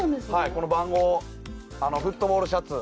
番号フットボールシャツ。